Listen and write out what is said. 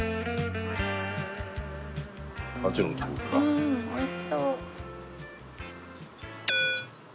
うんおいしそう。